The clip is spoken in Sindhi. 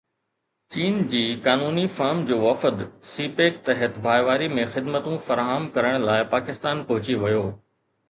چين جي قانوني فرم جو وفد سي پيڪ تحت ڀائيواري ۾ خدمتون فراهم ڪرڻ لاءِ پاڪستان پهچي ويو